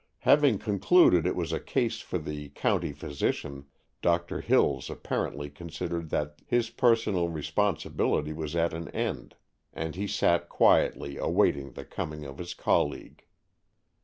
Having concluded it was a case for the county physician, Doctor Hills apparently considered that his personal responsibility was at an end, and he sat quietly awaiting the coming of his colleague.